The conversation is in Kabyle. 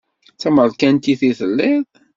D tamerkantit i telliḍ?